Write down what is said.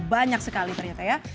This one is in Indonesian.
banyak sekali ternyata ya